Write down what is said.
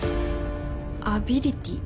アビリティー？